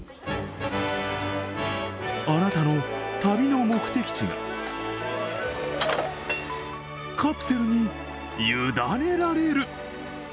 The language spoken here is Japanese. あなたの旅の目的地がカプセルに委ねられる。